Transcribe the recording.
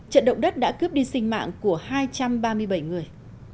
trận động đất đã cướp đi sinh mạng của hai trăm ba mươi bảy người